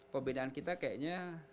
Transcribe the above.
pembinaan kita kayaknya